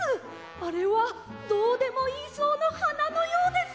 あれはドーデモイイそうのはなのようです！